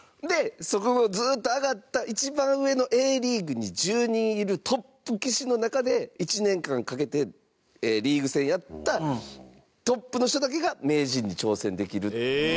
そこを、ずっと上がった一番上のＡリーグに１０人いるトップ棋士の中で１年間かけて、リーグ戦やったトップの人だけが名人に挑戦できるっていう。